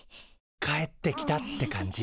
帰ってきたって感じ。